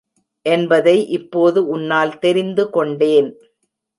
என்பதை இப்போது உன்னால் தெரிந்து கொண்டேன்.